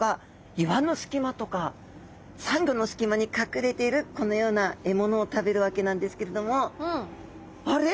岩の隙間とかサンゴの隙間に隠れているこのような獲物を食べるわけなんですけれどもあれ？